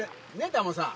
タモさん。